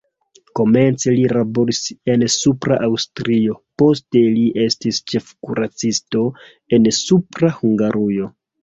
Komence li laboris en Supra Aŭstrio, poste li estis ĉefkuracisto en Supra Hungarujo.